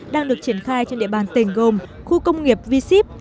đang được triển khai trên địa bàn tỉnh gồm khu công nghiệp v ship